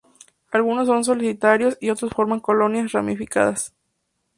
Algunos son solitarios y otros forman colonias ramificadas.